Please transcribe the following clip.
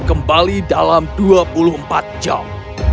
kembali dalam dua puluh empat jam